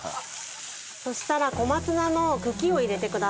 そしたら小松菜の茎を入れてください。